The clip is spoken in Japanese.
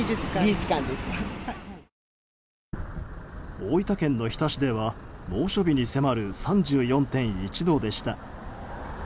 大分県の日田市では猛暑日に迫る３４．１度でした。